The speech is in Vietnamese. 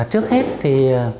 trước hết thì